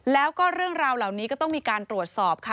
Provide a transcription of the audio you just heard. แล้วก็เรื่องราวเหล่านี้ก็ต้องมีการตรวจสอบค่ะ